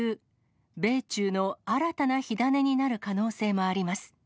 米中の新たな火種になる可能性もあります。